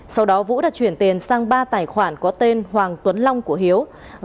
sau đó vũ đã chuyển tiền sang ba tài khoản có tên hoàng tuấn long của hiếu